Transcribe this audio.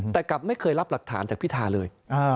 แต่กลับไม่เคยรับหลักฐานจากพิธาเลย